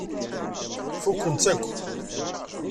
Fukken-tt akk.